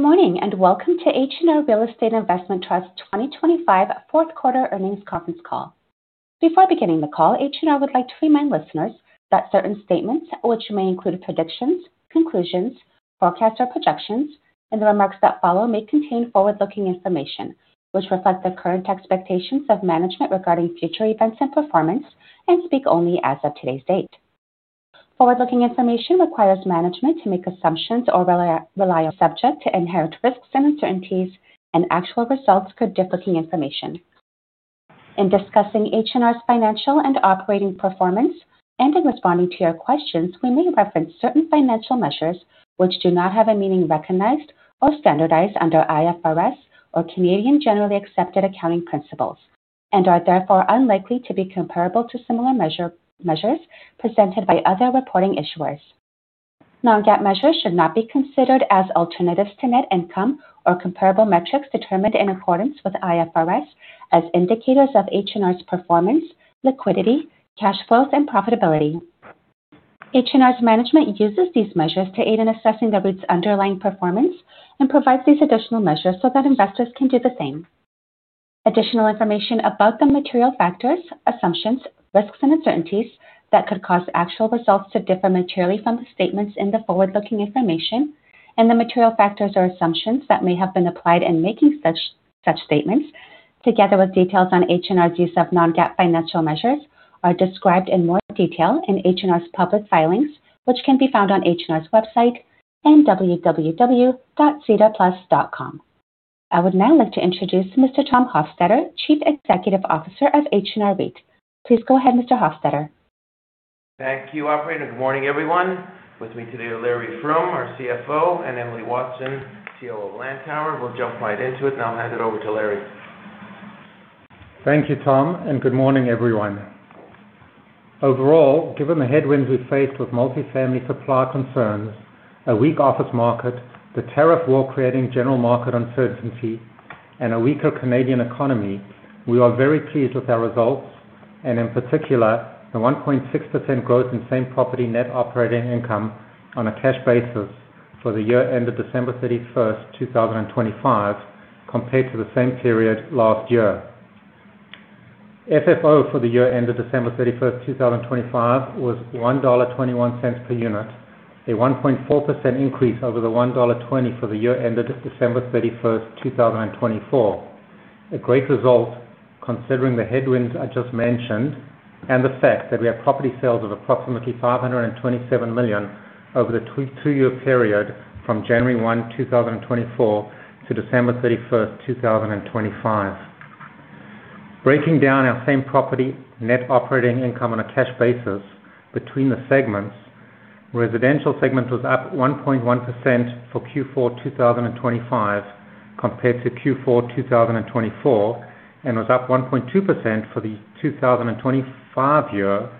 Good morning, and welcome to H&R Real Estate Investment Trust's 2025 fourth quarter earnings conference call. Before beginning the call, H&R would like to remind listeners that certain statements, which may include predictions, conclusions, forecasts, or projections, and the remarks that follow may contain forward-looking information, which reflect the current expectations of management regarding future events and performance, and speak only as of today's date. Forward-looking information requires management to make assumptions or rely on subject to inherent risks and uncertainties, and actual results could differ from information. In discussing H&R's financial and operating performance, and in responding to your questions, we may reference certain financial measures which do not have a meaning recognized or standardized under IFRS or Canadian generally accepted accounting principles, and are therefore unlikely to be comparable to similar measure presented by other reporting issuers. Non-GAAP measures should not be considered as alternatives to net income or comparable metrics determined in accordance with IFRS as indicators of H&R's performance, liquidity, cash flows, and profitability. H&R's management uses these measures to aid in assessing the REIT's underlying performance and provides these additional measures so that investors can do the same. Additional information about the material factors, assumptions, risks, and uncertainties that could cause actual results to differ materially from the statements in the forward-looking information, and the material factors or assumptions that may have been applied in making such statements, together with details on H&R's use of non-GAAP financial measures, are described in more detail in H&R's public filings, which can be found on H&R's website and www.sedarplus.com. I would now like to introduce Mr. Tom Hofstedter, Chief Executive Officer of H&R REIT. Please go ahead, Mr. Hofstedter. Thank you, operator. Good morning, everyone. With me today are Larry Froom, our CFO, and Emily Watson, COO of Lantower. We'll jump right into it, and I'll hand it over to Larry. Thank you, Tom, and good morning, everyone. Overall, given the headwinds we faced with multifamily supply concerns, a weak office market, the tariff war creating general market uncertainty, and a weaker Canadian economy, we are very pleased with our results, and in particular, the 1.6% growth in same property net operating income on a cash basis for the year ended December 31st, 2025, compared to the same period last year. FFO for the year ended December 31st, 2025, was CAD 1.21 per unit, a 1.4% increase over the 1.20 dollar for the year ended December 31, 2024. A great result, considering the headwinds I just mentioned and the fact that we have property sales of approximately 527 million over the two-year period from January 1, 2024 to December 31, 2025. Breaking down our same property net operating income on a cash basis between the segments, residential segments was up 1.1% for Q4 2025, compared to Q4 2024, and was up 1.2% for the 2025 year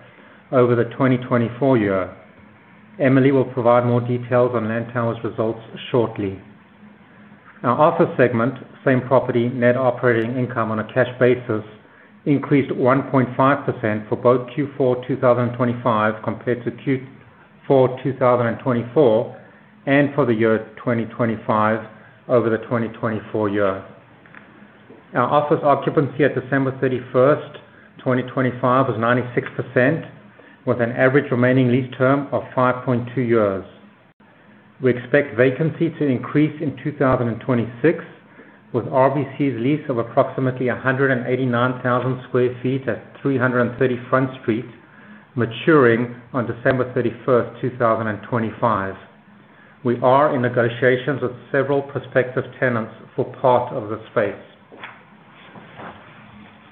over the 2024 year. Emily will provide more details on Lantower's results shortly. Our office segment, same property net operating income on a cash basis, increased 1.5% for both Q4 2025 compared to Q4 2024, and for the year 2025 over the 2024 year. Our office occupancy at December 31st, 2025, was 96%, with an average remaining lease term of 5.2 years. We expect vacancy to increase in 2026, with RBC's lease of approximately 189,000 sq ft at 330 Front Street, maturing on December 31st, 2025. We are in negotiations with several prospective tenants for part of the space.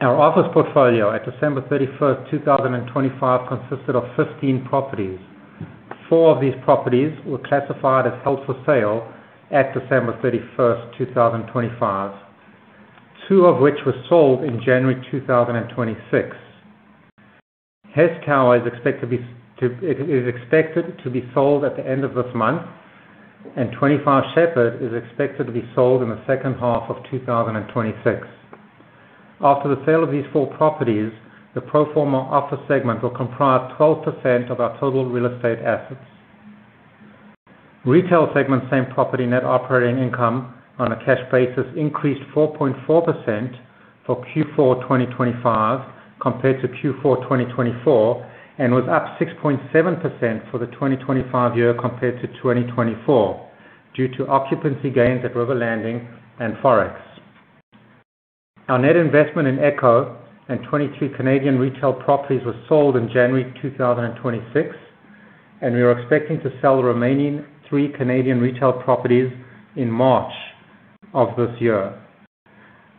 Our office portfolio at December 31, 2025, consisted of 15 properties. Four of these properties were classified as held for sale at December 31, 2025, two of which were sold in January 2026. Hess Tower is expected to be sold at the end of this month, and 25 Sheppard is expected to be sold in the second half of 2026. After the sale of these four properties, the pro forma office segment will comprise 12% of our total real estate assets. Retail segment, same property net operating income on a cash basis, increased 4.4% for Q4 2025 compared to Q4 2024, and was up 6.7% for the 2025 year compared to 2024, due to occupancy gains at River Landing and Forex. Our net investment in Echo and 22 Canadian retail properties were sold in January 2026, and we are expecting to sell the remaining three Canadian retail properties in March of this year.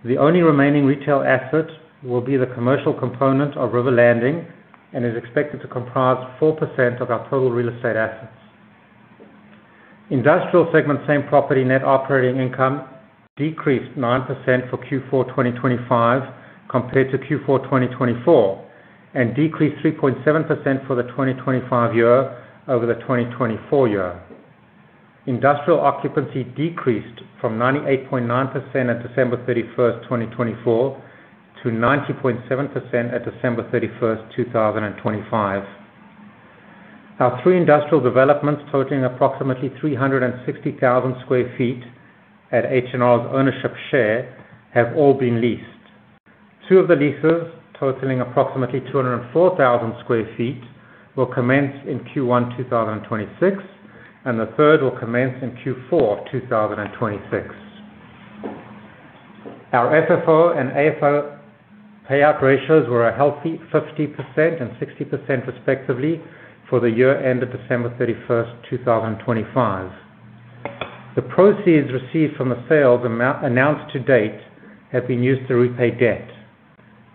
The only remaining retail asset will be the commercial component of River Landing and is expected to comprise 4% of our total real estate assets. Industrial segment, same-property net operating income decreased 9% for Q4 2025 compared to Q4 2024, and decreased 3.7% for the 2025 year over the 2024 year. Industrial occupancy decreased from 98.9% at December 31st, 2024, to 90.7% at December 31st, 2025. Our three industrial developments, totaling approximately 360,000 sq ft at H&R's ownership share, have all been leased. Two of the leases, totaling approximately 204,000 sq ft, will commence in Q1 2026, and the third will commence in Q4 2026. Our FFO and AFFO payout ratios were a healthy 50% and 60%, respectively, for the year ended December 31st, 2025. The proceeds received from the sales amount announced to date have been used to repay debt.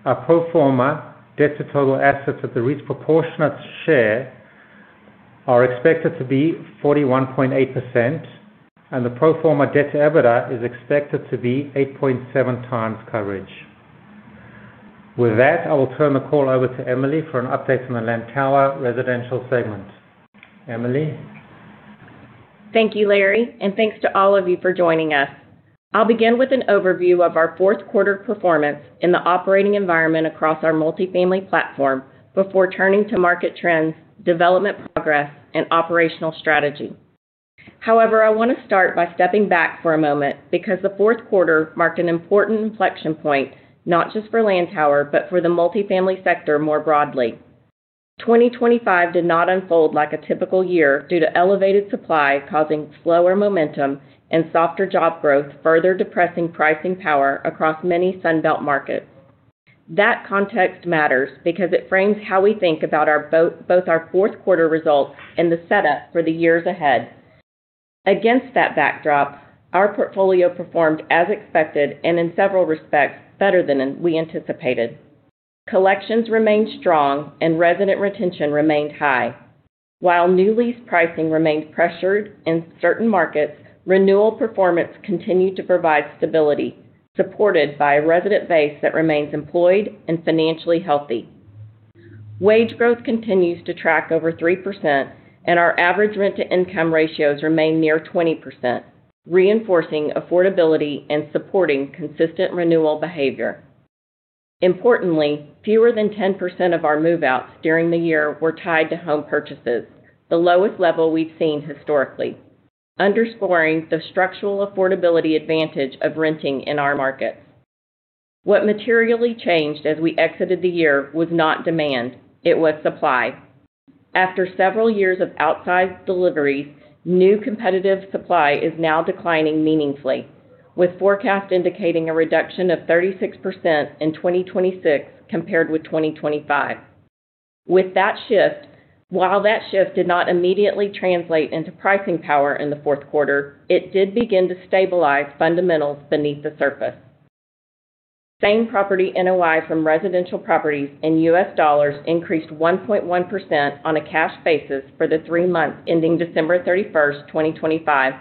Our pro forma debt to total assets at the REIT's proportionate share are expected to be 41.8%, and the pro forma debt to EBITDA is expected to be 8.7x coverage. With that, I will turn the call over to Emily for an update from the Lantower Residential segment. Emily? Thank you, Larry, and thanks to all of you for joining us. I'll begin with an overview of our fourth quarter performance in the operating environment across our multifamily platform before turning to market trends, development progress, and operational strategy. However, I want to start by stepping back for a moment, because the fourth quarter marked an important inflection point, not just for Lantower, but for the multifamily sector more broadly. 2025 did not unfold like a typical year due to elevated supply, causing slower momentum and softer job growth, further depressing pricing power across many Sun Belt markets. That context matters because it frames how we think about both our fourth quarter results and the setup for the years ahead. Against that backdrop, our portfolio performed as expected and in several respects, better than we anticipated. Collections remained strong and resident retention remained high. While new lease pricing remained pressured in certain markets, renewal performance continued to provide stability, supported by a resident base that remains employed and financially healthy. Wage growth continues to track over 3%, and our average rent-to-income ratios remain near 20%, reinforcing affordability and supporting consistent renewal behavior. Importantly, fewer than 10% of our move-outs during the year were tied to home purchases, the lowest level we've seen historically, underscoring the structural affordability advantage of renting in our markets. What materially changed as we exited the year was not demand, it was supply. After several years of outsized deliveries, new competitive supply is now declining meaningfully, with forecast indicating a reduction of 36% in 2026 compared with 2025. With that shift. While that shift did not immediately translate into pricing power in the fourth quarter, it did begin to stabilize fundamentals beneath the surface. Same-property NOI from residential properties in U.S. dollars increased 1.1% on a cash basis for the three months ending December 31st, 2025,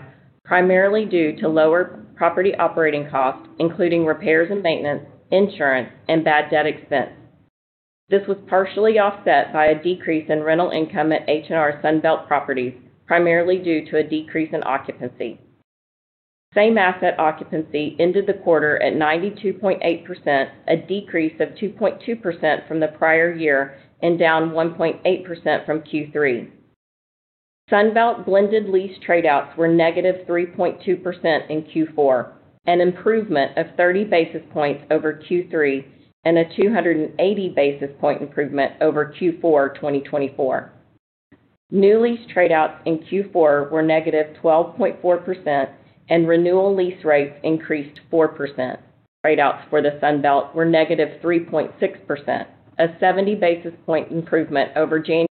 primarily due to lower property operating costs, including repairs and maintenance, insurance, and bad debt expense. This was partially offset by a decrease in rental income at H&R Sun Belt Properties, primarily due to a decrease in occupancy. Same asset occupancy ended the quarter at 92.8%, a decrease of 2.2% from the prior year and down 1.8% from Q3. Sun Belt blended lease trade outs were -3.2% in Q4, an improvement of 30 basis points over Q3 and a 280 basis point improvement over Q4 2024. New lease trade outs in Q4 were -12.4% and renewal lease rates increased 4%. Trade outs for the Sun Belt were negative 3.6%, a 70 basis point improvement over January.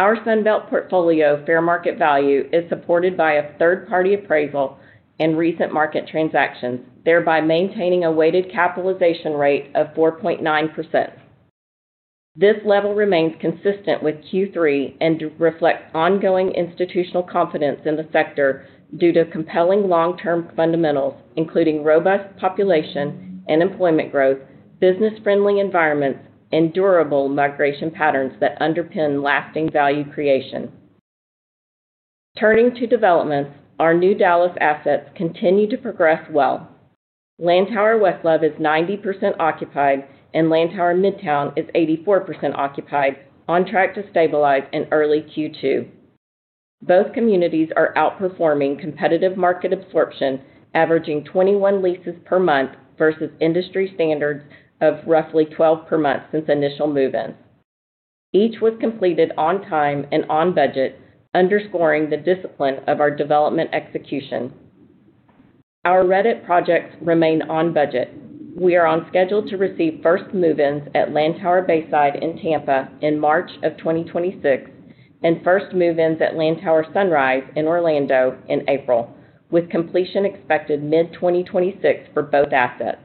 Our Sun Belt portfolio fair market value is supported by a third-party appraisal and recent market transactions, thereby maintaining a weighted capitalization rate of 4.9%. This level remains consistent with Q3 and reflects ongoing institutional confidence in the sector due to compelling long-term fundamentals, including robust population and employment growth, business-friendly environments, and durable migration patterns that underpin lasting value creation. Turning to developments, our new Dallas assets continue to progress well. Lantower West Love is 90% occupied, and Lantower Midtown is 84% occupied, on track to stabilize in early Q2. Both communities are outperforming competitive market absorption, averaging 21 leases per month versus industry standards of roughly 12 per month since initial move-ins. Each was completed on time and on budget, underscoring the discipline of our development execution. Our residential projects remain on budget. We are on schedule to receive first move-ins at Lantower Bayside in Tampa in March 2026, and first move-ins at Lantower Sunrise in Orlando in April, with completion expected mid-2026 for both assets.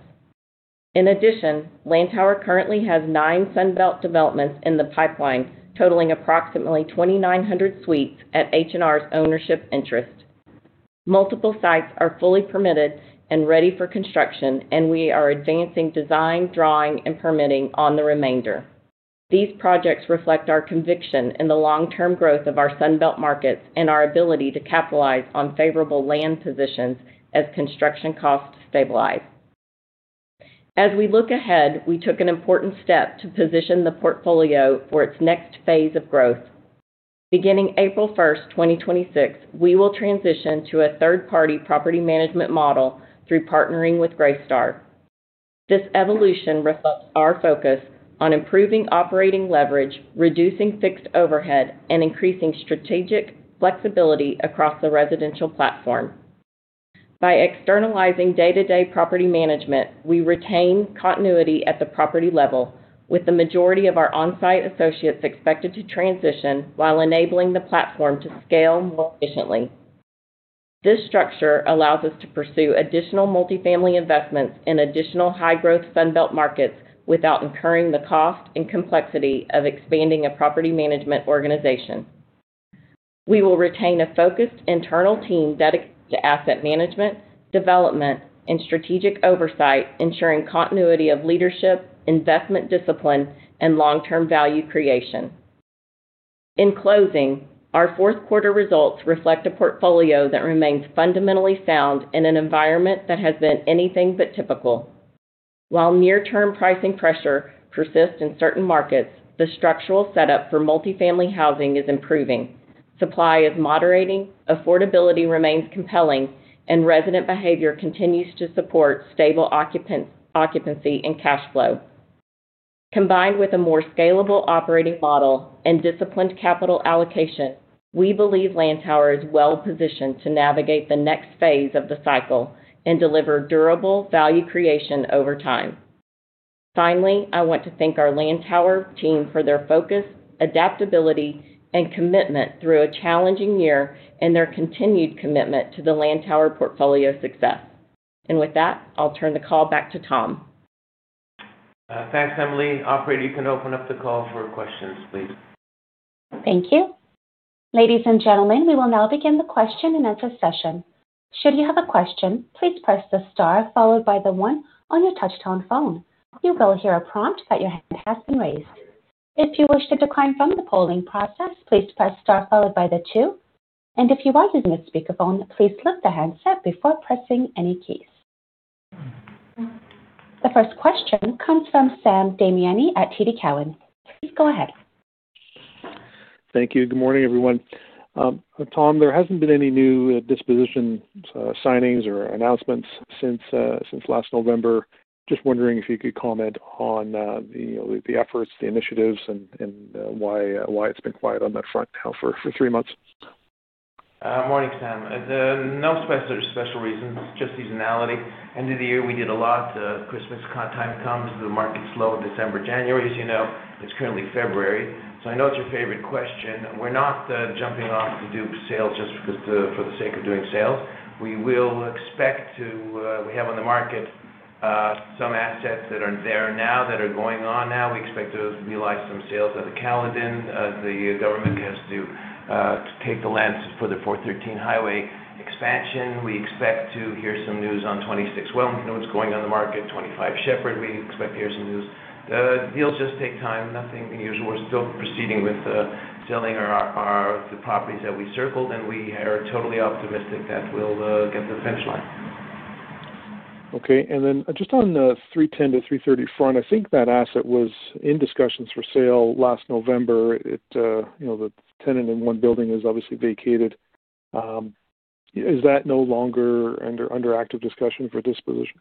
In addition, Lantower currently has nine Sun Belt developments in the pipeline, totaling approximately 2,900 suites at H&R's ownership interest. Multiple sites are fully permitted and ready for construction, and we are advancing design, drawing, and permitting on the remainder. These projects reflect our conviction in the long-term growth of our Sun Belt markets and our ability to capitalize on favorable land positions as construction costs stabilize. As we look ahead, we took an important step to position the portfolio for its next phase of growth. Beginning April 1, 2026, we will transition to a third-party property management model through partnering with Greystar. This evolution reflects our focus on improving operating leverage, reducing fixed overhead, and increasing strategic flexibility across the residential platform. By externalizing day-to-day property management, we retain continuity at the property level, with the majority of our on-site associates expected to transition while enabling the platform to scale more efficiently. This structure allows us to pursue additional multifamily investments in additional high-growth Sun Belt markets without incurring the cost and complexity of expanding a property management organization. We will retain a focused internal team dedicated to asset management, development, and strategic oversight, ensuring continuity of leadership, investment discipline, and long-term value creation. In closing, our fourth quarter results reflect a portfolio that remains fundamentally sound in an environment that has been anything but typical. While near-term pricing pressure persists in certain markets, the structural setup for multifamily housing is improving. Supply is moderating, affordability remains compelling, and resident behavior continues to support stable occupancy and cash flow. Combined with a more scalable operating model and disciplined capital allocation, we believe Lantower is well positioned to navigate the next phase of the cycle and deliver durable value creation over time. Finally, I want to thank our Lantower team for their focus, adaptability, and commitment through a challenging year and their continued commitment to the Lantower portfolio success. And with that, I'll turn the call back to Tom. Thanks, Emily. Operator, you can open up the call for questions, please. Thank you. Ladies and gentlemen, we will now begin the question-and-answer session. Should you have a question, please press the star followed by the one on your touchtone phone. You will hear a prompt that your hand has been raised. If you wish to decline from the polling process, please press star followed by the two. And if you are using a speakerphone, please lift the handset before pressing any keys. The first question comes from Sam Damiani at TD Cowen. Please go ahead. Thank you. Good morning, everyone. Tom, there hasn't been any new disposition, signings or announcements since last November. Just wondering if you could comment on the efforts, the initiatives, and why it's been quiet on that front now for three months? Morning, Sam. There's no special reason, just seasonality. End of the year, we did a lot. Christmas time comes, the market's slow, December, January, as you know. It's currently February, so I know it's your favorite question. We're not jumping off to do sales just because, for the sake of doing sales. We expect to have on the market some assets that are there now, that are going on now. We expect to realize some sales at the Caledon. The government has to take the lands for the 413 highway expansion. We expect to hear some news on 26 Wellington, what's going on the market. 25 Sheppard, we expect to hear some news. The deals just take time, nothing unusual. We're still proceeding with selling our, the properties that we circled, and we are totally optimistic that we'll get the finish line. Okay. Then just on the 310-330 Front, I think that asset was in discussions for sale last November. It, you know, the tenant in one building is obviously vacated. Is that no longer under active discussion for disposition?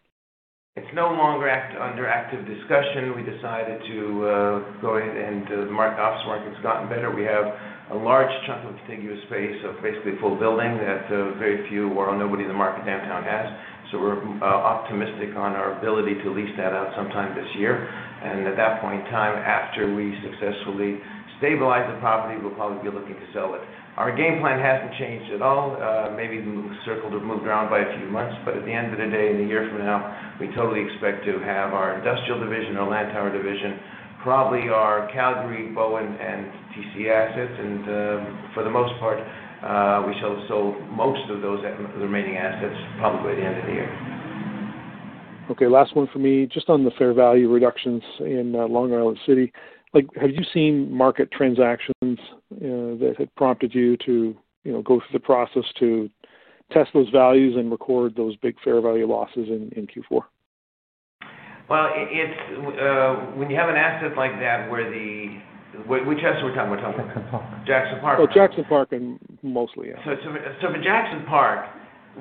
It's no longer under active discussion. We decided to go in and the office market's gotten better. We have a large chunk of vacant space, so basically a full building that very few or nobody in the market downtown has. So we're optimistic on our ability to lease that out sometime this year. And at that point in time, after we successfully stabilize the property, we'll probably be looking to sell it. Our game plan hasn't changed at all. Maybe the timeline has moved around by a few months, but at the end of the day, in a year from now, we totally expect to have sold our industrial division, our Lantower division, probably our Calgary, Bow and TC assets. And for the most part, we will have sold most of those remaining assets probably at the end of the year. Okay, last one for me. Just on the fair value reductions in, Long Island City, like, have you seen market transactions, that had prompted you to, you know, go through the process to test those values and record those big fair value losses in, in Q4? Well, it's when you have an asset like that, where the... Which asset are we talking about? Jackson Park? So Jackson Park and mostly, yeah. So for Jackson Park,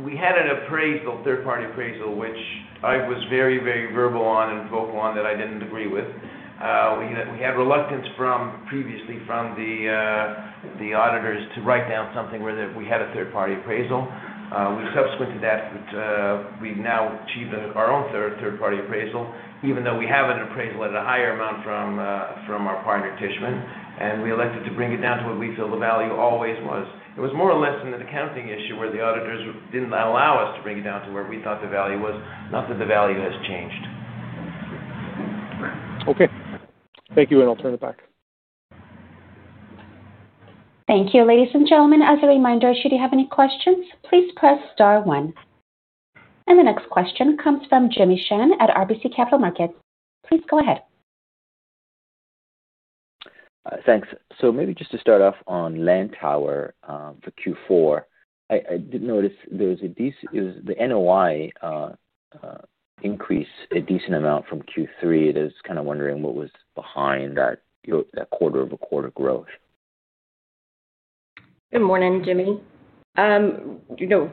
we had an appraisal, third-party appraisal, which I was very, very verbal on and vocal on, that I didn't agree with. We had reluctance from previously from the auditors to write down something where that we had a third-party appraisal. We subsequent to that, we've now achieved our own third-party appraisal, even though we have an appraisal at a higher amount from our partner, Tishman. We elected to bring it down to what we feel the value always was. It was more or less than an accounting issue, where the auditors didn't allow us to bring it down to where we thought the value was, not that the value has changed. Okay. Thank you, and I'll turn it back. Thank you, ladies and gentlemen. As a reminder, should you have any questions, please press star one. The next question comes from Jimmy Shan at RBC Capital Markets. Please go ahead. Thanks. So maybe just to start off on Lantower, for Q4, I did notice there was a decent NOI increase from Q3. I was kind of wondering what was behind that, that quarter-over-quarter growth. Good morning, Jimmy. You know,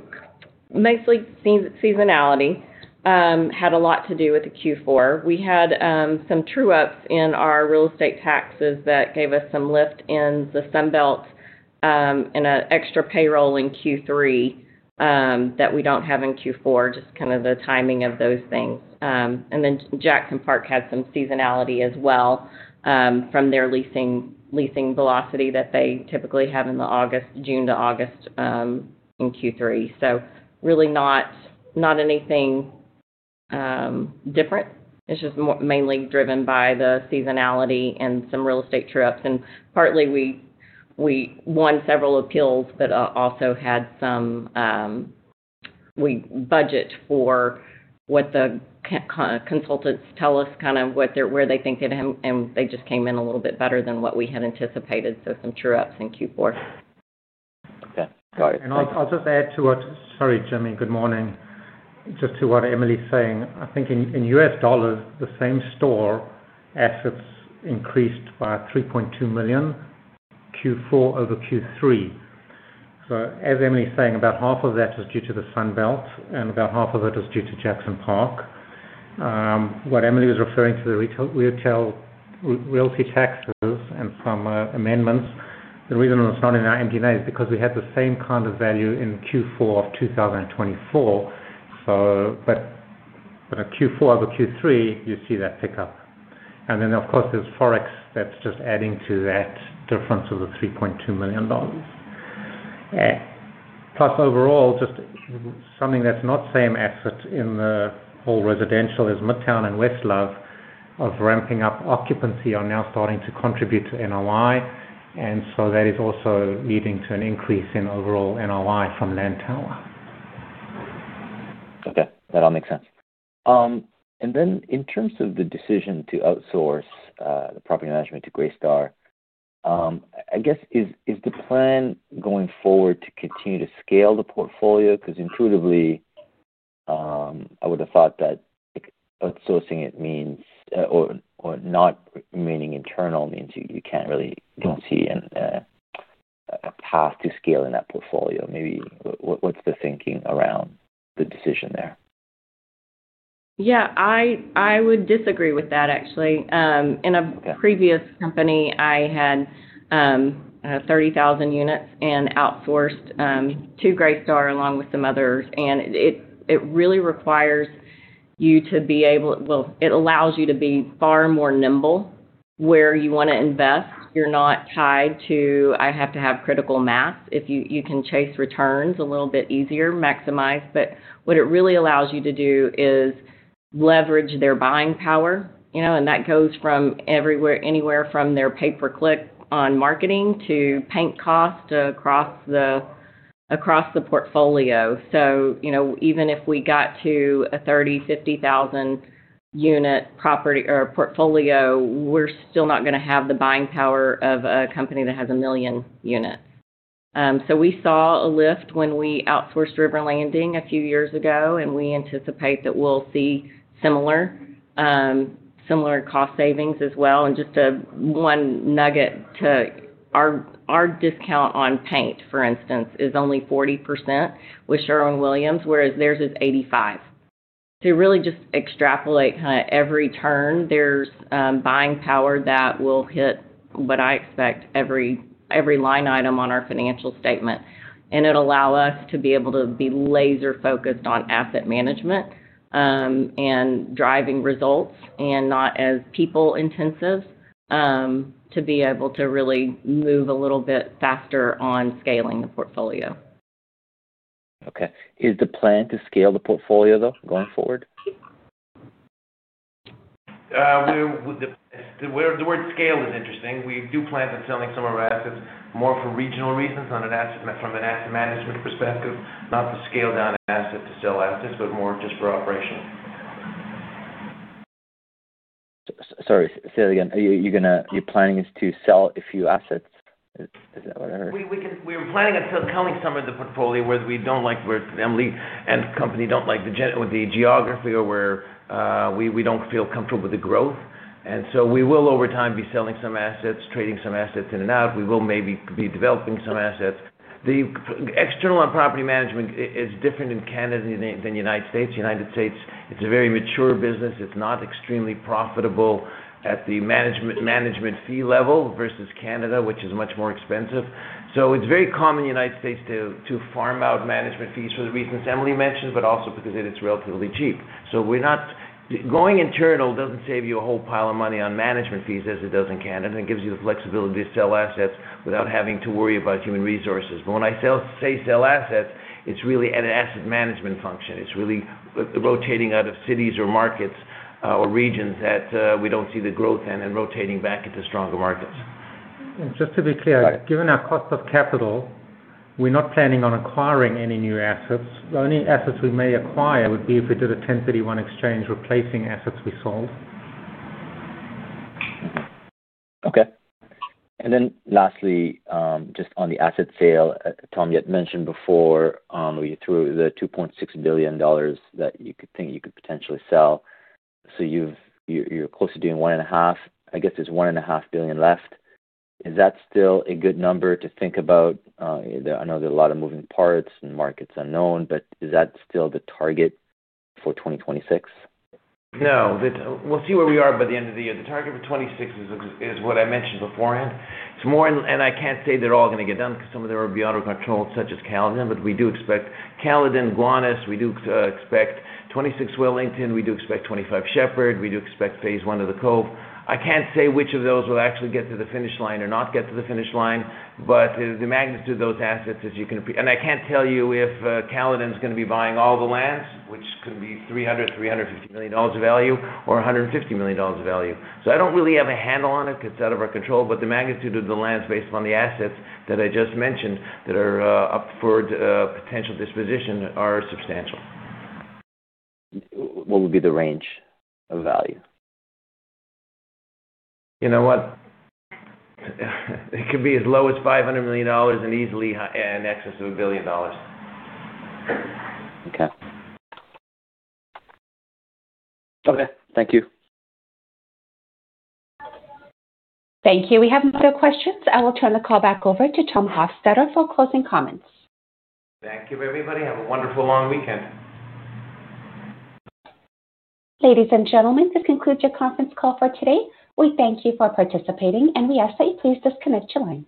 mostly seasonality had a lot to do with the Q4. We had some true ups in our real estate taxes that gave us some lift in the Sun Belt, and an extra payroll in Q3 that we don't have in Q4, just kind of the timing of those things. And then Jackson Park had some seasonality as well from their leasing velocity that they typically have in June to August in Q3. So really not anything different. It's just mainly driven by the seasonality and some real estate true ups. Partly, we won several appeals, but also had some. We budget for what the consultants tell us, kind of, what they're where they think it'll end, and they just came in a little bit better than what we had anticipated, so some true-ups in Q4. Okay. Got it. Sorry, Jimmy. Good morning. Just to what Emily's saying, I think in US dollars, the same store assets increased by $3.2 million, Q4 over Q3. So as Emily is saying, about half of that was due to the Sun Belt, and about half of it was due to Jackson Park. What Emily was referring to, the retail realty taxes and some amendments. The reason it was not in our MD&A is because we had the same kind of value in Q4 of 2024. So but at Q4 over Q3, you see that pickup. And then, of course, there's Forex that's just adding to that difference of the $3.2 million. Plus, overall, just something that's not same asset in the whole residential as Midtown and West Love of ramping up occupancy are now starting to contribute to NOI, and so that is also leading to an increase in overall NOI from Lantower. Okay, that all makes sense. And then in terms of the decision to outsource the property management to Greystar, I guess is the plan going forward to continue to scale the portfolio? Because intuitively, I would have thought that, like, outsourcing it means, or not remaining internal means you, you can't really don't see a path to scale in that portfolio. Maybe what's the thinking around the decision there? Yeah, I would disagree with that, actually. In a. Yeah. Previous company, I had 30,000 units and outsourced to Greystar, along with some others, and it really requires you to be able. Well, it allows you to be far more nimble where you want to invest. You're not tied to, "I have to have critical mass." If you can chase returns a little bit easier, maximize, but what it really allows you to do is leverage their buying power, you know, and that goes from everywhere, anywhere, from their pay-per-click on marketing to paint cost across the portfolio. So, you know, even if we got to a 30,000- or 50,000-unit property or portfolio, we're still not gonna have the buying power of a company that has one million units. So we saw a lift when we outsourced River Landing a few years ago, and we anticipate that we'll see similar, similar cost savings as well. And just, one nugget to our, our discount on paint, for instance, is only 40% with Sherwin-Williams, whereas theirs is 85%. To really just extrapolate kind of every turn, there's, buying power that will hit what I expect every, every line item on our financial statement. And it'll allow us to be able to be laser-focused on asset management, and driving results, and not as people-intensive, to be able to really move a little bit faster on scaling the portfolio. Okay. Is the plan to scale the portfolio, though, going forward? The word scale is interesting. We do plan on selling some of our assets more for regional reasons on an asset, from an asset management perspective, not to scale down assets, to sell assets, but more just for operational. Sorry, say that again. Are you gonna--your planning is to sell a few assets? Is that what I heard? We can, we're planning on selling some of the portfolio where we don't like, where Emily and the company don't like the geography or where we don't feel comfortable with the growth. And so we will, over time, be selling some assets, trading some assets in and out. We will maybe be developing some assets. The external on property management is different in Canada than United States. United States, it's a very mature business. It's not extremely profitable at the management fee level versus Canada, which is much more expensive. So it's very common in United States to farm out management fees for the reasons Emily mentioned, but also because it is relatively cheap. So we're not—going internal doesn't save you a whole pile of money on management fees, as it does in Canada, and it gives you the flexibility to sell assets without having to worry about human resources. But when I sell, say, sell assets, it's really an asset management function. It's really the rotating out of cities or markets, or regions that we don't see the growth in and rotating back into stronger markets. Just to be clear. Right Given our cost of capital, we're not planning on acquiring any new assets. The only assets we may acquire would be if we did a 1031 exchange, replacing assets we sold. Okay. And then lastly, just on the asset sale, Tom, you had mentioned before, you threw the 2.6 billion dollars that you could think you could potentially sell. So you've, you're, you're close to doing 1.5. I guess there's 1.5 billion left. Is that still a good number to think about? I know there are a lot of moving parts and markets unknown, but is that still the target for 2026? No, but we'll see where we are by the end of the year. The target for 2026 is what I mentioned beforehand. It's more, and I can't say they're all going to get done because some of them are beyond our control, such as Caledon, but we do expect Caledon, Gowanus. We do expect 26 Wellington, we do expect 25 Sheppard, we do expect phase one of The Cove. I can't say which of those will actually get to the finish line or not get to the finish line, but the magnitude of those assets, as you can. And I can't tell you if Caledon is going to be buying all the lands, which can be 300, 350 million dollars of value or 150 million dollars of value. So I don't really have a handle on it. It's out of our control, but the magnitude of the lands based on the assets that I just mentioned that are up for potential disposition are substantial. What would be the range of value? You know what? It could be as low as $500 million and easily high in excess of $1 billion. Okay. Okay. Thank you. Thank you. We have no further questions. I will turn the call back over to Tom Hofstedter for closing comments. Thank you, everybody. Have a wonderful long weekend. Ladies and gentlemen, this concludes your conference call for today. We thank you for participating, and we ask that you please disconnect your lines.